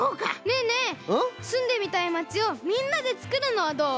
ねえねえすんでみたい町をみんなでつくるのはどう？